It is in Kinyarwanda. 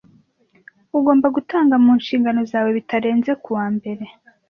Ugomba gutanga mu nshingano zawe bitarenze kuwa mbere.